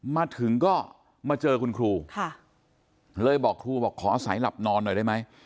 มาถึงก็มาเจอคุณครูเลยบอกครูบอกขออาศัยหลับนอนหน่อยได้ไหม